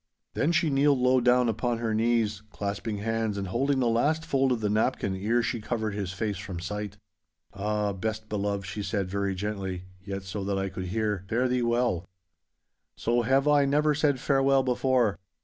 Then she kneeled low down upon her knees, clasping hands and holding the last fold of the napkin ere she covered his face from sight. 'Ah, best beloved,' she said very gently, yet so that I could hear, 'fare thee well! So have I never said farewell before.